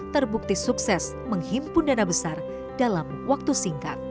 terbukti sukses menghimpun dana besar dalam waktu singkat